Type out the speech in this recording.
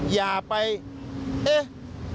อย่าไปเอ๊ะ